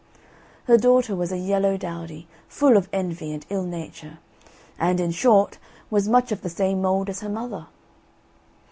Her daughter was a yellow dowdy, full of envy and ill nature; and, in short, was much of the same mould as her mother.